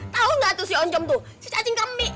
tahu nggak tuh si oncom tuh si cacing kami